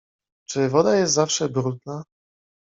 "Czy woda jest zawsze brudna?"